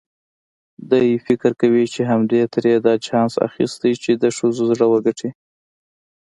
دی فکر کوي چې همدې ترې دا چانس اخیستی چې د ښځو زړه وګټي.